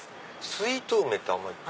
スイート梅って甘いの？